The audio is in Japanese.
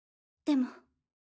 でも？